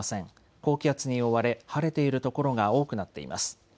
高気圧に覆われ晴れている所が多くなっています。